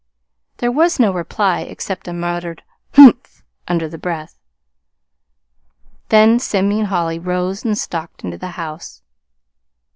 There was no reply except a muttered "Humph!" under the breath. Then Simeon Holly rose and stalked into the house.